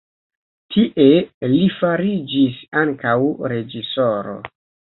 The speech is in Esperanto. Tie li fariĝis ankaŭ reĝisoro.